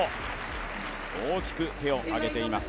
大きく手を上げています。